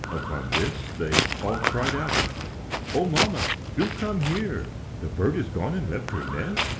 Upon this they all cried out, "O mamma, do come here! the bird is gone and left her nest?"